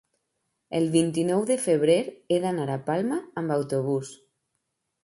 El vint-i-nou de febrer he d'anar a Palma amb autobús.